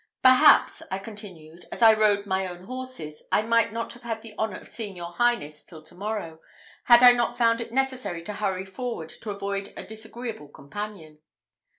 "Perhaps," I continued, "as I rode my own horses, I might not have had the honour of seeing your highness till to morrow, had I not found it necessary to hurry forward to avoid a disagreeable companion."